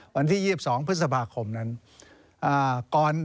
วันที่๒๒พฤษภาคมนั้น